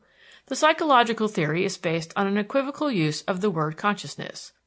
The psychological theory is based on an equivocal use of the word consciousness.